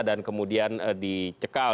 dan kemudian dicekal